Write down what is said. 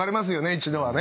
一度はね。